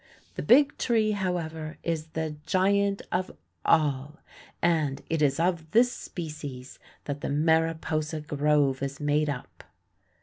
The Big Tree, however, is the giant of all, and it is of this species that the Mariposa Grove is made up.